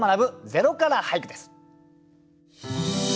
「０から俳句」です。